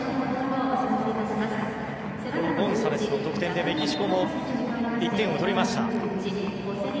ゴンサレスの得点でメキシコも１点を取りました。